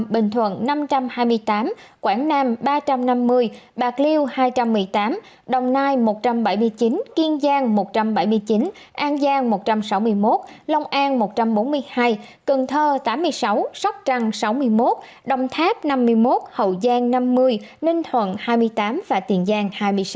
bình thuận năm trăm hai mươi tám quảng nam ba trăm năm mươi bạc liêu hai trăm một mươi tám đồng nai một trăm bảy mươi chín kiên giang một trăm bảy mươi chín an giang một trăm sáu mươi một lông an một trăm bốn mươi hai cần thơ tám mươi sáu sóc trăng sáu mươi một đồng tháp năm mươi một hậu giang năm mươi ninh thuận hai mươi tám tiền giang hai mươi sáu